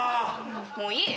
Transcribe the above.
もういい！